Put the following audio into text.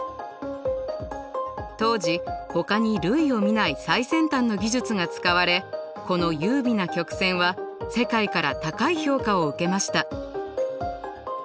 当時ほかに類を見ない最先端の技術が使われこの優美な曲線は世界から高い評価を受けました。